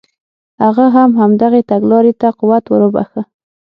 هغه هم همدغې تګلارې ته قوت ور وبخښه.